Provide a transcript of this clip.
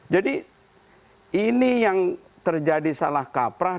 jadi ini yang terjadi salah kaprah